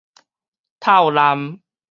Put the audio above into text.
透濫